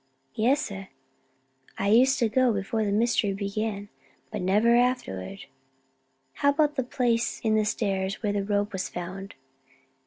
"Yes, sir. I used to go before the mystery began, but never afterward." "How about the place in the stairs where the robe was found?"